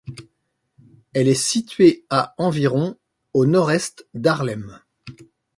Elle est située à environ au nord-est d'Haarlem.